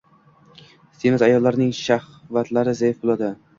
Semiz ayollarning shahvatlari zaif bo‘ladi.